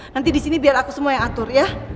nanti disini biar aku semua yang atur ya